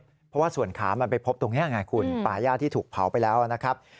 เพราะว่าส่วนขามันไปพบตรงนี้ไงคุณป่าย่าที่ถูกเผาไปแล้วนะครับ